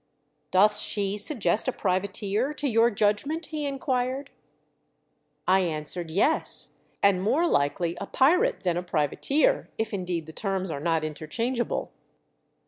"Doth she suggest a privateer to vour judgment ?" he inquired. 2 A 354 THE DEATH SHIP. I answered, " Yes ; and more likely a pirate than a privateer, if indeed the terms are not interchangeable."